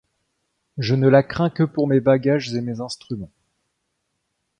Je ne la crains que pour mes bagages et mes instruments.